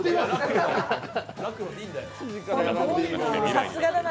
さすがだな。